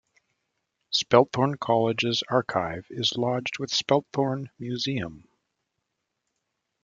Spelthorne College's archive is lodged with Spelthorne Museum.